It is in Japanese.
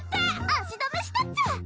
足止めしたっちゃ！